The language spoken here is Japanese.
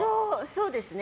そうですね。